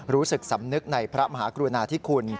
รู้สึกสำนึกในพระมหากรุณาธิคุณ